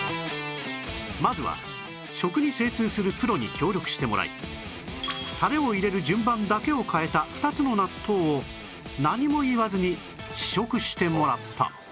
まずは食に精通するプロに協力してもらいタレを入れる順番だけを変えた２つの納豆を何も言わずに試食してもらった